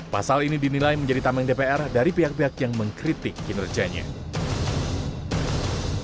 pasal ini juga diatur soal keundangan mahkamah kehormatan dewan atau mkd menumpuh langkah hukum bagi pihak lain yang dianggap merendahkan kehormatan anggota dewan